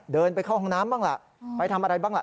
เดินไปเข้าห้องน้ำบ้างล่ะไปทำอะไรบ้างล่ะ